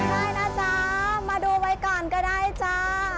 ใช่นะจ๊ะมาดูไว้ก่อนก็ได้จ้า